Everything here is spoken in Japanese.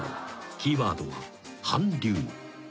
［キーワードは韓流］